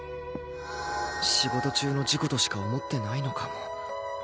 仕事中の事故としか思ってないのかも